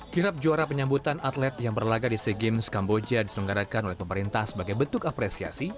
kirap juara penyambutan atlet yang berlagak di sea games kamboja diselenggarakan oleh pemerintah sebagai bentuk apresiasi